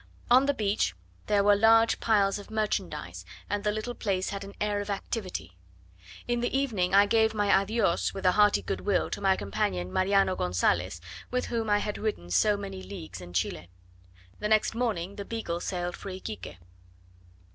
On the beach there were large piles of merchandise, and the little place had an air of activity. In the evening I gave my adios, with a hearty good will, to my companion Mariano Gonzales, with whom I had ridden so many leagues in Chile. The next morning the Beagle sailed for Iquique.